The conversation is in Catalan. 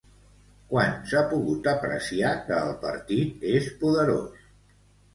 Quan s'ha pogut apreciar que el partit és poderós?